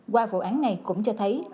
qua vụ án này cũng cho thấy